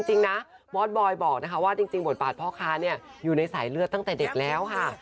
จริงนะบอสบอยบอกนะคะว่าจริงบทบาทพ่อค้าเนี่ยอยู่ในสายเลือดตั้งแต่เด็กแล้วค่ะ